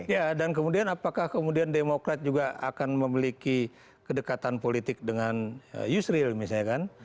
ya dan kemudian apakah kemudian demokrat juga akan memiliki kedekatan politik dengan yusril misalnya kan